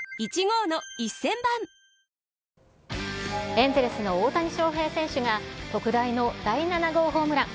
エンゼルスの大谷翔平選手が、特大の第７号ホームラン。